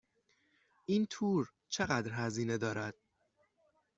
این تور چقدر هزینه دارد؟